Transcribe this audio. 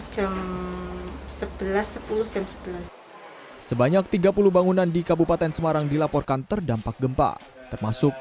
jam sebelas sepuluh jam sebelas sebanyak tiga puluh bangunan di kabupaten semarang dilaporkan terdampak gempa termasuk